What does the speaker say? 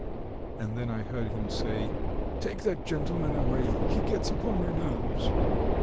And then I heard him say: "Take that gentleman away; he gets upon my nerves."